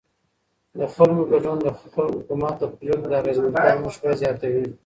د خلکو ګډون د حکومت د پرېکړو د اغیزمنتیا او مشروعیت زیاتوي